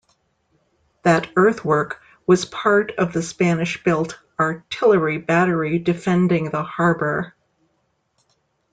That earthwork was part of the Spanish-built artillery battery defending the harbor.